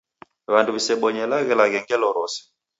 W'andu w'isebonye laghelaghe ngelo rose.